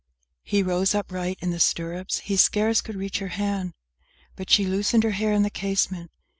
VI He rose upright in the stirrups; he scarce could reach her hand, But she loosened her hair i' the casement!